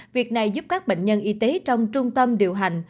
việc này giúp các bệnh nhân y tế trong trung tâm điều hành